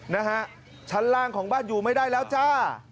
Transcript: นะฮะชั้นล่างของบ้านอยู่ไม่ได้แล้วจ้า